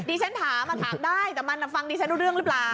ฉันถามถามได้แต่มันฟังดิฉันรู้เรื่องหรือเปล่า